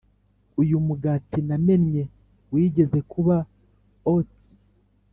uyu mugati namennye wigeze kuba oat,